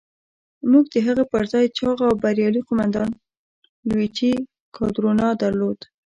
موږ د هغه پر ځای چاغ او بریالی قوماندان لويجي کادورنا درلود.